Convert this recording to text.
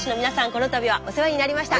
このたびはお世話になりました。